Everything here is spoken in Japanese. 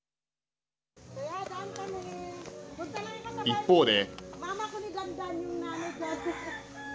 一方で。